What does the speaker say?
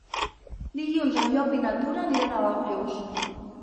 Dilluns en Llop i na Tura aniran a Òrrius.